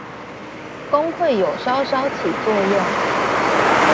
工會有稍稍起作用